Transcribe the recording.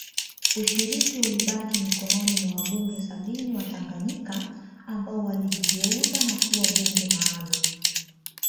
Ushiriki ulibaki mikononi mwa wabunge sabini wa Tanganyika ambao walijigeuza na kuwa bunge maalum